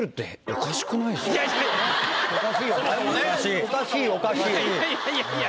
おかしいおかしい。